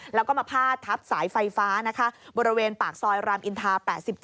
แล้วก็มาพาดทับสายไฟฟ้านะคะบริเวณปากซอยรามอินทา๘๗